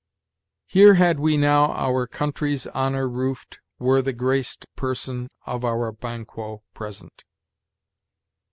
"'Here had we now our country's honor roof'd Were the graced person of our Banquo present.'